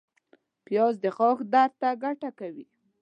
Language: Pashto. پیاز د غاښ درد ته ګټه کوي